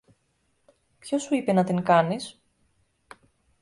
Ποιος σου είπε να την κάνεις;